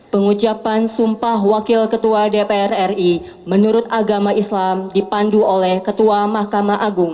pengucapan sumpah wakil ketua dpr ri menurut agama islam dipandu oleh ketua mahkamah agung